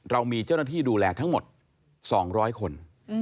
เรามีเจ้าหน้าที่ดูแลทั้งหมด๒๐๐คน